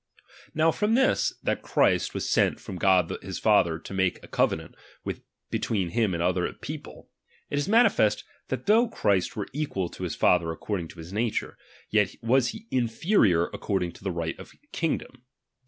Now from this, that Christ was sent from God his Father to make a covenant between him of and the people, it is manifest, that though Christ '"'■ were equal to his Father according to his nature, yet was he inferior according to the right of the kingdom.